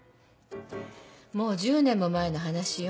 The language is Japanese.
もう１０年も前の話よ。